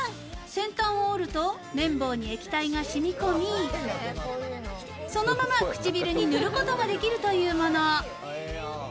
先端を折ると綿棒に液体がしみ込み、そのまま唇に塗ることができるというもの。